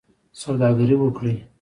سوداګري وکړئ